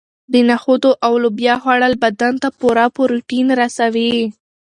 د نخودو او لوبیا خوړل بدن ته پوره پروټین رسوي.